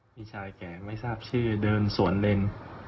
พี่ชายแก่ไม่ทราบชื่อเดินสวนเล่น